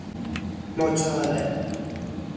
مچاله